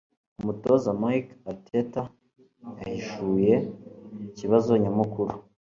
Umutoza Mikel Arteta yahishuye ikibazo nyamukuru